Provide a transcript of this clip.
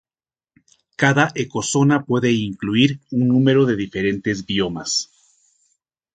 Cada ecozona puede incluir un número de diferentes biomas.